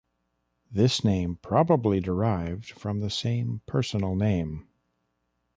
This name probably derived from the same personal name.